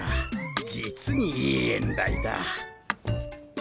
実にいい縁台だ。